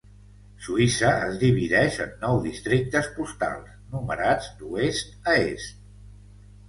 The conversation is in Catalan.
Suïssa es divideix en nou districtes postals, numerats d'oest a est.